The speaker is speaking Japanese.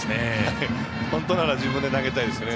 本当なら自分で投げたいですね。